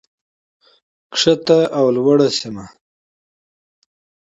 کوزه او بره سیمه،